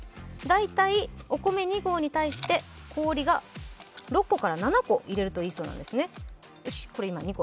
大体お米２合に対して氷が６個から７個入れるといいそうなんですね。